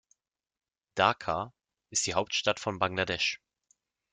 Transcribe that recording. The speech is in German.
Dhaka ist die Hauptstadt von Bangladesch.